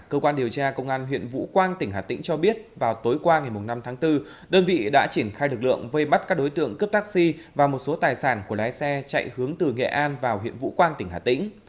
cơ quan điều tra công an huyện vũ quang tỉnh hà tĩnh cho biết vào tối qua ngày năm tháng bốn đơn vị đã triển khai lực lượng vây bắt các đối tượng cướp taxi và một số tài sản của lái xe chạy hướng từ nghệ an vào huyện vũ quang tỉnh hà tĩnh